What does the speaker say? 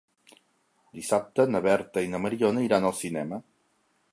Dissabte na Berta i na Mariona iran al cinema.